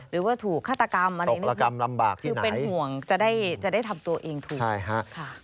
หรือว่าถูกฆาตกรรมอะไรอย่างนี้นะครับคือเป็นห่วงจะได้ทำตัวเองถูกค่ะ